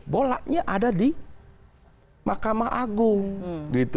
bolanya ada di mahkamah agung